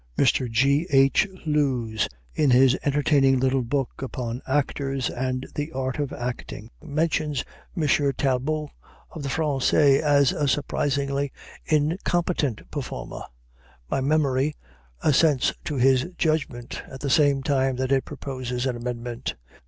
Mr. G. H. Lewes, in his entertaining little book upon Actors and the Art of Acting, mentions M. Talbot, of the Français, as a surprisingly incompetent performer. My memory assents to his judgment at the same time that it proposes an amendment.